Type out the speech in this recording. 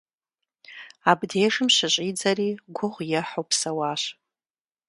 Абдежым щыщӀидзэри гугъу ехьу псэуащ.